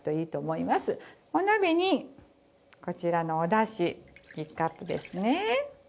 お鍋にこちらのおだし１カップですね。